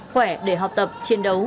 khỏe để học tập chiến đấu